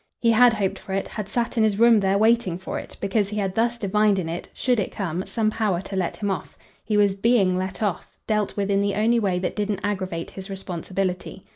He had hoped for it, had sat in his room there waiting for it, because he had thus divined in it, should it come, some power to let him off. He was BEING let off; dealt with in the only way that didn't aggravate his responsibility.